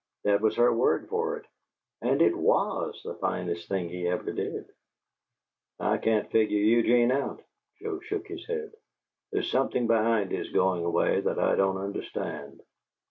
That was her word for it. And it WAS the finest thing he ever did." "I can't figure Eugene out." Joe shook his head. "There's something behind his going away that I don't understand."